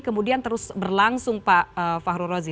kemudian terus berlangsung pak fahru rozi